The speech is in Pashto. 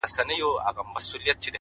• لکه نه وي پر کښتۍ توپان راغلی ,